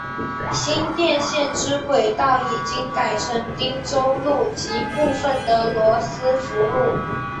新店线之轨道已经改成汀州路及部分的罗斯福路。